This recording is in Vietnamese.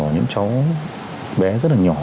có những cháu bé rất là nhỏ